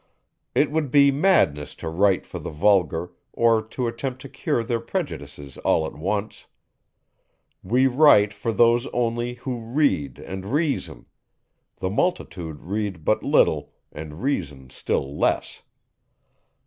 It would be madness to write for the vulgar, or to attempt to cure their prejudices all at once. We write for those only, who read and reason; the multitude read but little, and reason still less.